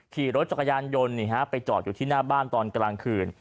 ขี่รถจักรยานยนต์ไปจอดอยู่ที่หน้าบ้านตอนกลางคืน